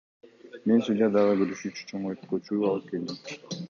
Мен судья дагы көрүшү үчүн чоңойткучту алып келдим.